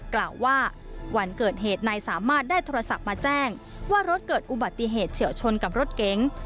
กล่าวว่าวันเกิดเหตุนายสามารถได้โทรศัพท์มาแจ้งว่ารถเกิดอุบัติเหตุเฉียวชนกับรถเก๋ง